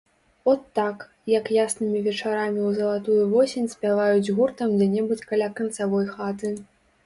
От так, як яснымі вечарамі ў залатую восень спяваюць гуртам дзе-небудзь каля канцавой хаты.